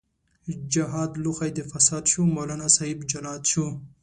جهاد لوښی د فساد شو، مولانا صاحب جلاد شو